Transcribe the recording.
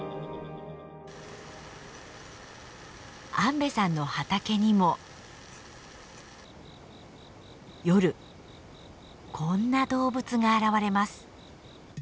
安部さんの畑にも夜こんな動物が現れます。